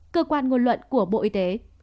cơ quan ngôn luận của bộ y tế